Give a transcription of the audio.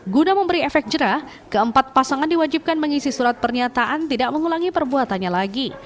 guna memberi efek jerah keempat pasangan diwajibkan mengisi surat pernyataan tidak mengulangi perbuatannya lagi